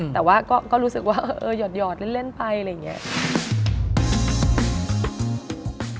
แต่ว่าก็รู้สึกว่าหยอดเล่นไปอะไรอย่างนี้